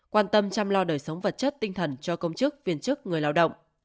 quan tâm chăm lo đời sống vật chất tinh thần cho công chức viên chức người lao động